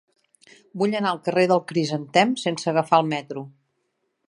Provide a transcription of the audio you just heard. Vull anar al carrer del Crisantem sense agafar el metro.